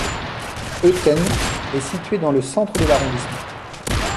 Heuthen est située dans le centre de l'arrondissement.